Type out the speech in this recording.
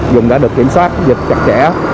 vùng đã được kiểm soát dịch chặt chẽ